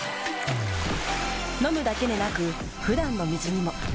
飲むだけでなく普段の水にも。